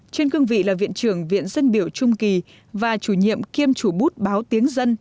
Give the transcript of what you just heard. trên cương vị là viện trưởng viện dân biểu trung kỳ và chủ nhiệm kiêm chủ bút báo tiếng dân